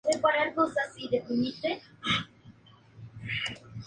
Se encuentra asentada en la Sierra Apaneca-Ilamatepec.